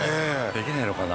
できないのかな？